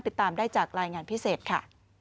ติดตามได้จากรายงานพิเศษค่ะ